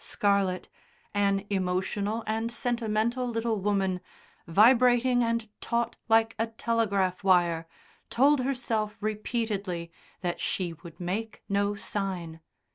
Scarlett, an emotional and sentimental little woman, vibrating and taut like a telegraph wire, told herself repeatedly that she would make no sign.